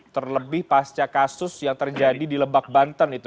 terlebih pasca kasus yang terjadi di lebak banten itu